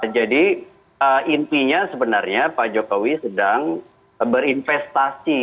jadi intinya sebenarnya pak jokowi sedang berinvestasi